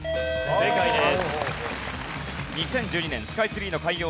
正解です。